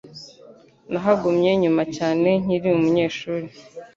Nahagumye nyuma cyane nkiri umunyeshuri.